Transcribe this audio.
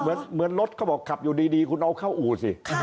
เหมือนรถเขาบอกขับอยู่ดีคุณเอาเข้าอู่สิ